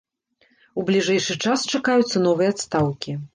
У бліжэйшы час чакаюцца новыя адстаўкі.